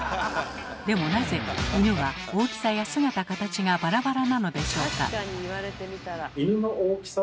でもなぜイヌは大きさや姿・形がバラバラなのでしょうか？